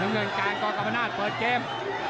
เงินการกรกรรมนาศเปิดเกม